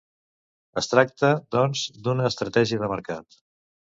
Es tracta, doncs, d'una estratègia de mercat.